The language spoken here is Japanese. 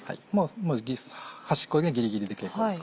端っこギリギリで結構です